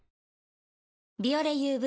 「ビオレＵＶ」